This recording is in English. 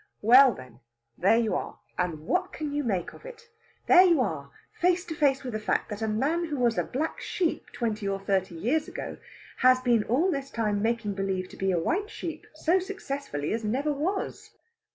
Well, then there you are! And what can you make of it? There you are face to face with the fact that a man who was a black sheep twenty or thirty years ago has been all this time making believe to be a white sheep so successfully as never was.